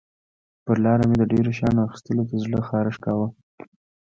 پر لاره مې د ډېرو شیانو اخیستلو ته زړه خارښت کاوه.